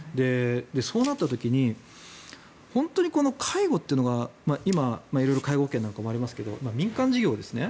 そうなった時に本当に介護というのが今、色々介護保険なんかもありますが民間事業ですね。